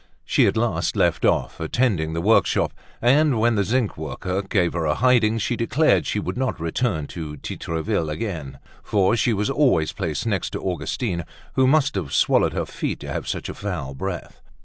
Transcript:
She at last left off attending the workshop and when the zinc worker gave her a hiding, she declared she would not return to Titreville's again, for she was always placed next to Augustine, who must have swallowed her feet to have such a foul breath.